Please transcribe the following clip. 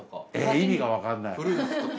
意味がわかんない。